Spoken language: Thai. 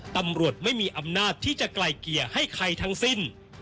ตำรวจไม่มีอำนาจที่จะไกลเกลี่ยให้ใครทั้งสิ้น